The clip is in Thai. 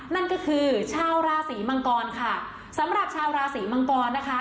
นั่นก็คือชาวราศีมังกรค่ะสำหรับชาวราศีมังกรนะคะ